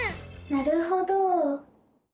なるほど！